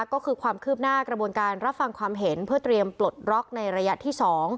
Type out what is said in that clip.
ก็คือความคืบหน้ากระบวนการรับฟังความเห็นเพื่อเตรียมปลดล็อกในระยะที่๒